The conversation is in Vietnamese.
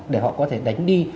để họ có thể đánh đi